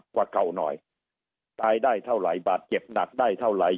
กว่าเก่าหน่อยตายได้เท่าไหร่บาดเจ็บหนักได้เท่าไหร่